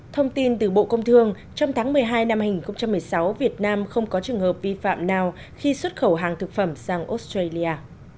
thông tin từ bộ công thương trong tháng một mươi hai năm hai nghìn một mươi sáu việt nam không có trường hợp vi phạm nào khi xuất khẩu hàng thực phẩm sang australia